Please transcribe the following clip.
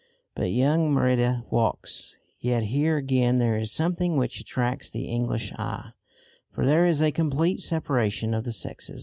But young Merida walks. Yet here again there is something which attracts the English eye, for there is a complete separation of the sexes.